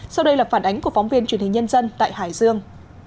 sau đây là phản ánh của phóng viên truyền hình nhân dân tại hải dương